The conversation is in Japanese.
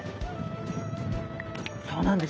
そうなんです。